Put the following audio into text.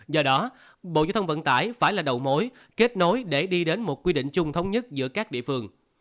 do đó bộ giao thông vận tải phải là đầu mối kết nối để đi đến một quy định chung thống nhất giữa các địa phương